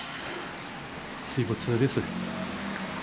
水没です。